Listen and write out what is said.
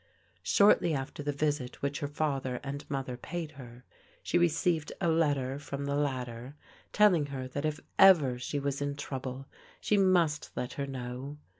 Shortly after the visit which her father and mother paid her, she received a letter from the latter telling her that if ever she was in trouble she must let her know.